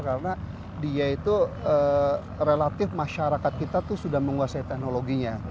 karena dia itu relatif masyarakat kita itu sudah menguasai teknologinya